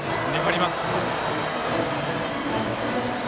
粘ります。